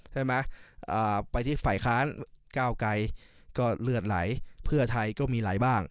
ใช่ไหมไปที่ฝ่ายค้านก้าวไกรก็เลือดไหลเพื่อไทยก็มีไหลบ้าง